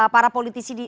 para politisi di senayan